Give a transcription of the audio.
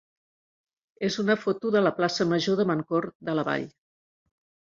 és una foto de la plaça major de Mancor de la Vall.